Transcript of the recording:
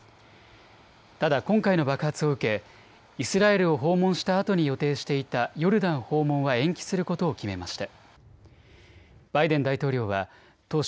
ただ今回の爆発を受け、イスラエルを訪問したあとに予定していたヨルダン訪問は延期することを決めました。